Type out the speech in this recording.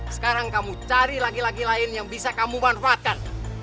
sekarang kamu cari lagi lagi lain yang bisa kamu manfaatkan